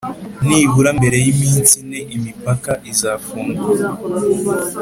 nibura mbere y iminsi ine Impaka izafungurwa